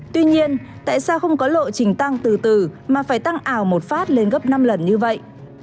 tuy nhiên tại sao không có lộ trình tăng từ từ mà phải tăng ảo một phát lên gấp năm lần như vậy